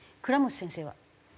倉持先生は？